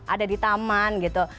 ada di taman gitu